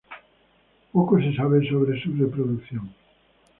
Poco se sabe sobre su reproducción.